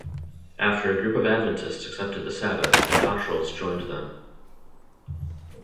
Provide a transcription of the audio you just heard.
After a group of Adventists accepted the Sabbath, the Cottrells joined them.